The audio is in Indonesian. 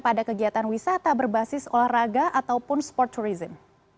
pada kegiatan wisata berbasis olahraga ataupun sport tourism